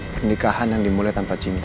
pernikahan yang dimulai tanpa cinta